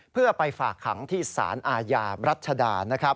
เพื่อไปฝากขังที่สารอาญารัชดา